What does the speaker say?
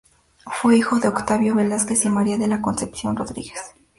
Fue hijo de Octaviano Velázquez y María de la Concepción Rodríguez.